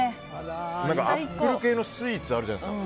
アップル系のスイーツあるじゃないですか。